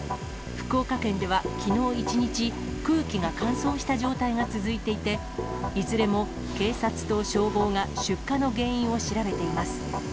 福岡県では、きのう一日、空気が乾燥した状態が続いていて、いずれも警察と消防が出火の原因を調べています。